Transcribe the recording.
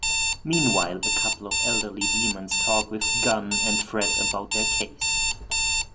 Meanwhile, a couple of elderly demons talk with Gunn and Fred about their case.